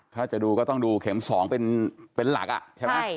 ถ้าจะดูก็ต้องดูเข็ม๒เป็นหลักใช่ไหม